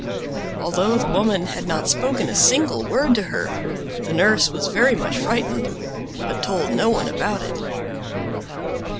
Although the woman had not spoken a single word to her, the nurse was very much frightened, but told no one about it.